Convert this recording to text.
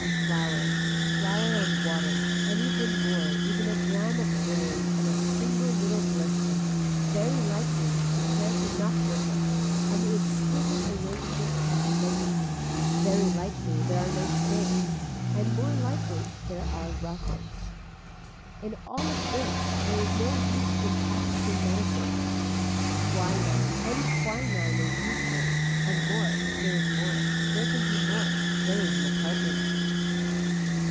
Flower, flower and water and even more even a gram of grain and a single little blister, very likely the chance is not perfect and the exquisite arrangement has lace, very likely there are no stains and more likely there are ruffles. In all of this there is no use in practicing medicine. Quinine any quinine is useful and more there is more, there can be more, there is an apartment.